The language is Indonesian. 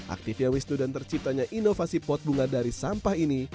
aktifnya wisnu dan terciptanya inovasi pot bunga dari sampah ini